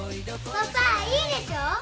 いいでしょ？